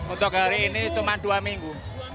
untuk hari ini cuma dua minggu